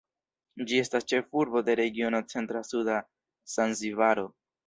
Ĝi estas ĉefurbo de regiono Centra-Suda Zanzibaro.